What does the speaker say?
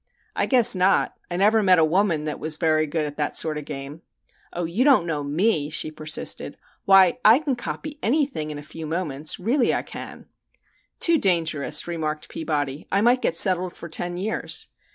"I guess not. I never met a woman that was very good at that sort of game." "Oh, you don't know me," she persisted. "Why, I can copy anything in a few moments really I can." "Too dangerous," remarked Peabody. "I might get settled for ten years."